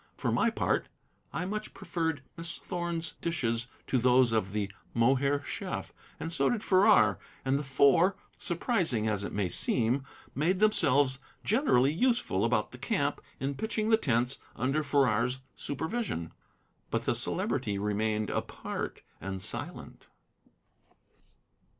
For my part, I much preferred Miss Thorn's dishes to those of the Mohair chef, and so did Farrar. And the Four, surprising as it may seem, made themselves generally useful about the camp in pitching the tents under Farrar's supervision. But the Celebrity remained apart and silent.